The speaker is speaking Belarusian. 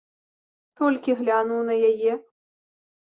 Толькі глянуў на яе.